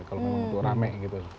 kalau memang itu rame gitu